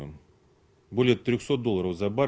lebih dari tiga ratus dolar per bar